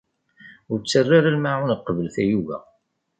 Ur ttarra ara lmaɛun qbel tayuga.